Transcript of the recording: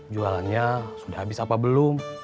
jualannya sudah habis apa belum